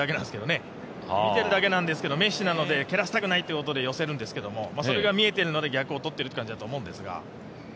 見てるだけなんですけど、メッシなので蹴らしたくないということで寄らせるんですけど、それが見えてるから逆をとってるという感じなんですが。